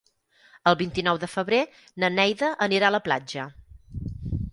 El vint-i-nou de febrer na Neida anirà a la platja.